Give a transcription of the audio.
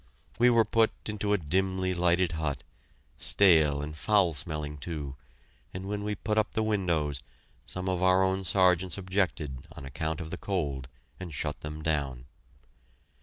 We were put into a dimly lighted hut, stale and foul smelling, too, and when we put up the windows, some of our own Sergeants objected on account of the cold, and shut them down.